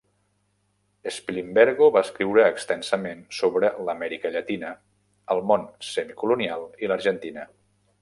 Spilimbergo va escriure extensament sobre l'Amèrica Llatina, el "món semicolonial" i l'Argentina.